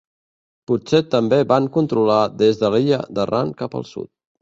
Potser també van controlar des de l'illa d'Arran cap al sud.